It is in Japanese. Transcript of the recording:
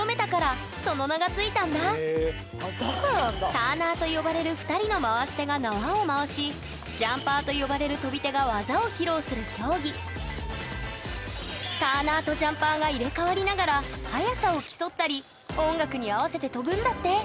「ターナー」と呼ばれる２人の回し手が縄を回し「ジャンパー」と呼ばれる跳び手が技を披露する競技速さを競ったり音楽に合わせて跳ぶんだって！